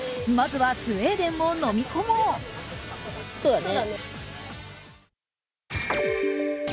まずはスウェーデンも飲み込もう。